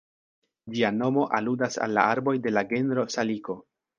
Ĝia nomo aludas al la arboj de la genro Saliko.